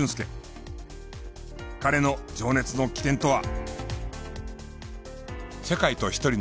彼の情熱の起点とは？